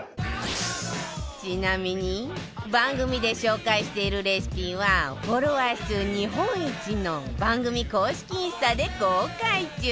ちなみに番組で紹介しているレシピはフォロワー数日本一の番組公式インスタで公開中